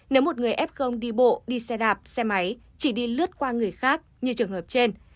nếu một người f đi bộ đi xe đạp xe máy chỉ đi lướt qua người khác như trường hợp trên